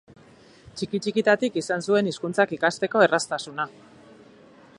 Txiki-txikitatik izan zuen hizkuntzak ikasteko erraztasuna.